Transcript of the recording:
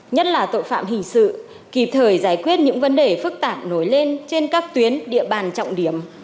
nhất là tội phạm hình sự kịp thời giải quyết những vấn đề phức tạp nổi lên trên các tuyến địa bàn trọng điểm